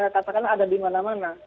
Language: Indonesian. katakan ada dimana mana